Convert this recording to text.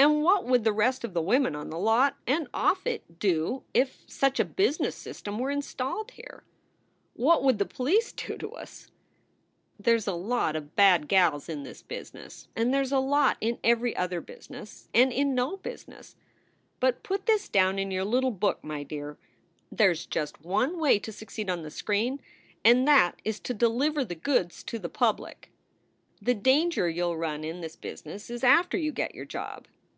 And what would the rest of the women on the lot and off it do if such a business system were installed here ? What would the police do to us ? "There s a lot of bad gals in this business and there s a lot in every other business and in no business. But put this down in your little book, my dear there s just one way to succeed on the screen and that is to deliver the goods to the public. "The danger you ll run in this business is after you get your job.